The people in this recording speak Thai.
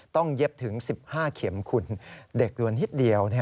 ต้องเย็บถึง๑๕เข็มคุณเด็กละนิดเดียว